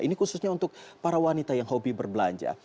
ini khususnya untuk para wanita yang hobi berbelanja